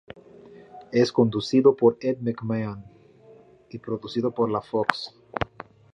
Es conducido por Ed McMahon y producido por la Fox.